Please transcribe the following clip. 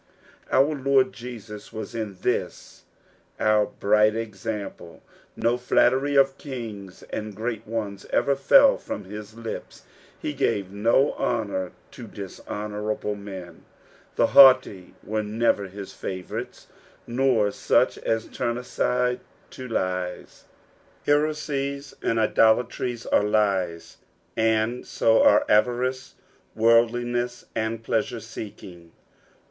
Our Lord Jesus was in this our bright ex ample. No flattery of kings and great ones ever fell from his lips ; he gave no honour to dishonourable men. The haughty were never his favourites. " Niir tueh M turn atide to lie*." Heresies and idolatries are lies, and so are avarice, worldlinesH, and pleasure seeking.